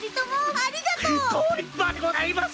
ありがとうございます！